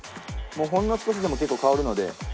もうほんの少しでも結構香るので。